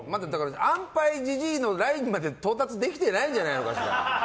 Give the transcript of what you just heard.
安牌ジジイのラインまで到達できてないんじゃないかしら。